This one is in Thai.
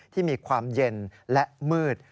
ที่มีความเย็นและมืด